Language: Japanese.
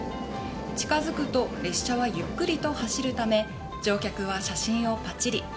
近づくと列車はゆっくりと走るため乗客は写真をパチリ。